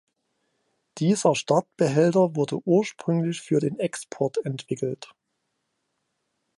Dieser Startbehälter wurde ursprünglich für den Export entwickelt.